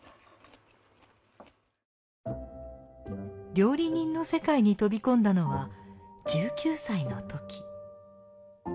料理人の世界に飛び込んだのは１９歳のとき。